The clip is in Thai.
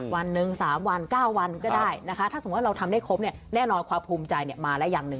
วันหนึ่ง๓วัน๙วันก็ได้นะคะถ้าสมมุติเราทำได้ครบเนี่ยแน่นอนความภูมิใจมาแล้วอย่างหนึ่ง